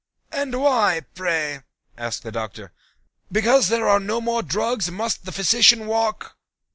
"And why, pray?" asked the Doctor. "Because there are no more drugs must the physician walk?"